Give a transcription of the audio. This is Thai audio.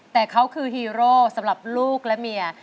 แต่เขาคือฮีโร่สำหรับลูกและเมีย